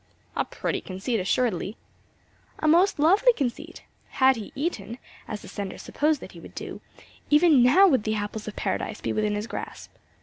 '" "A pretty conceit assuredly!" "A most lovely conceit! Had he eaten, as the sender supposed that he would do, even now would the apples of Paradise be within his grasp."